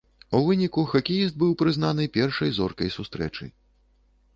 У выніку хакеіст быў прызнаны першай зоркай сустрэчы.